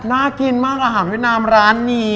น่ากินมากอาหารเวียดนามร้านนี้